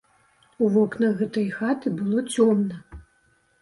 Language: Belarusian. У вокнах гэтай хаты было цёмна.